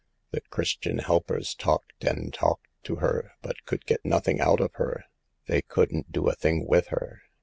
The Christ ian helpers talked and talked to her, but could get nothing out of her ; they couldn't do a thing with her.